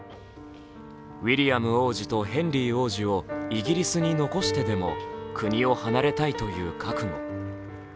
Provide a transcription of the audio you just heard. ウィリアム王子とヘンリー王子をイギリスに残してでも国を離れたいという覚悟。